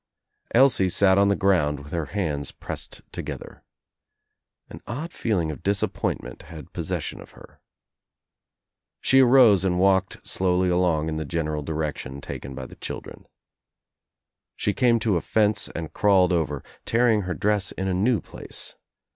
Elsie sat on the ground with her hands pressed together. An odd feeling of disappointment had pos session of her. She arose and walked slowly along in the general direction taken by the children. She came to a fence and crawled over, tearing her dress in a new place.